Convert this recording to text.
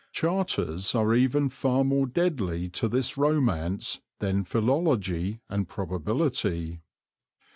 Charters are even far more deadly to this romance than philology and probability.